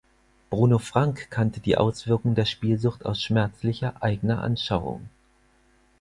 Bruno Frank kannte die Auswirkungen der Spielsucht aus schmerzlicher eigner Anschauung.